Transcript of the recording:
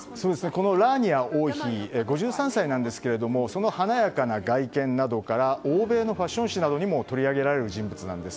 このラーニア王妃は５３歳なんですがその華やかな外見などから欧米のファッション誌などでも取り上げられる人物なんです。